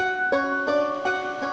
sudah dipegang serentaknya